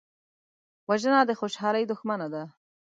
وژنه د خوشحالۍ دښمنه ده